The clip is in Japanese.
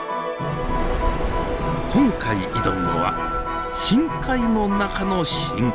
今回挑むのは深海の中の深海。